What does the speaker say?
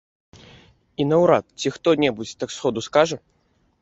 І наўрад ці хто-небудзь так сходу скажа.